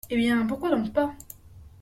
Eh bien, pourquoi donc pas ?